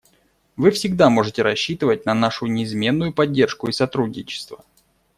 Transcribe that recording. Вы всегда можете рассчитывать на нашу неизменную поддержку и сотрудничество.